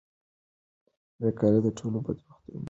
بیکاري د ټولو بدبختیو مور ده.